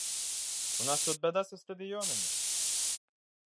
У нас тут бяда са стадыёнамі?